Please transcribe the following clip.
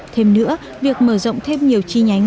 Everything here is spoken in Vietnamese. thêm nữa việc mở rộng thêm nhiều chi nhánh